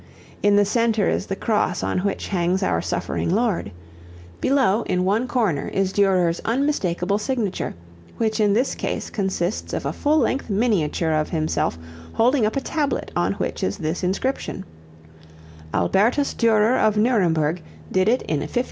In the center is the Cross on which hangs our suffering Lord. Below, in one corner, is Durer's unmistakable signature, which in this case consists of a full length miniature of himself holding up a tablet on which is this inscription, "Albertus Durer of Nuremberg did it in 1511."